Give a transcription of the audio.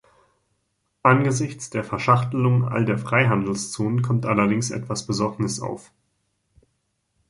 Angesichts der Verschachtelung all der Freihandelszonen kommt allerdings etwas Besorgnis auf.